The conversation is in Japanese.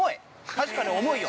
確かに重いよ。